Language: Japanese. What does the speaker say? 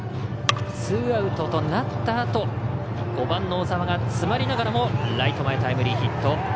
ツーアウトとなったあと５番の小澤が詰まりながらもライト前タイムリーヒット。